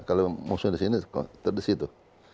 kalau mau disini sudah di situ